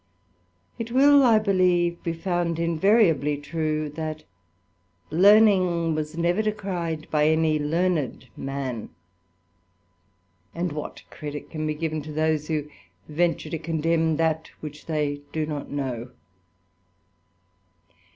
It will, I believe, be found invariably true, that learning was never decried by any learned man ; and what credit can be given to those, who venture to condemn that which they do not know